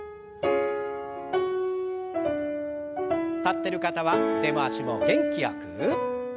立ってる方は腕回しも元気よく。